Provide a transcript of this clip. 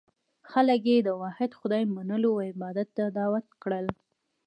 خلک یې د واحد خدای منلو او عبادت ته دعوت کړل.